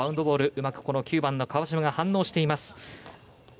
うまく９番の川嶋が反応しています。